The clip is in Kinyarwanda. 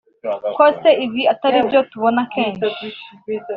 Ko se ibi ataribyo tubona kenshi